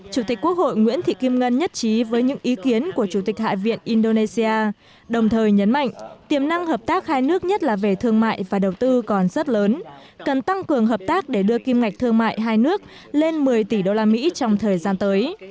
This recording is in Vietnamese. chủ tịch quốc hội nguyễn thị kim ngân nhất trí với những ý kiến của chủ tịch hạ viện indonesia đồng thời nhấn mạnh tiềm năng hợp tác hai nước nhất là về thương mại và đầu tư còn rất lớn cần tăng cường hợp tác để đưa kim ngạch thương mại hai nước lên một mươi tỷ usd trong thời gian tới